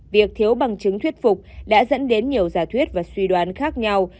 việc thiếu bằng chứng thuyết phục đã dẫn đến nhiều giả thuyết và suy đoán khác nhau